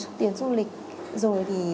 xuất tiến du lịch rồi thì